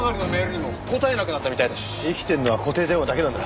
生きてるのは固定電話だけなんだ。